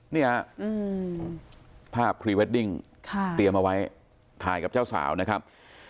เนี่ยภาพพรีเวดดิ้งเตรียมเอาไว้ถ่ายกับเจ้าสาวนะครับ